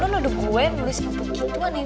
lo nudu gue nulis yang begituan ya